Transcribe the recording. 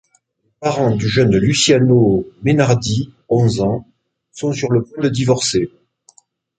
Les parents du jeune Luciano Mainardi, onze ans, sont sur le point de divorcer.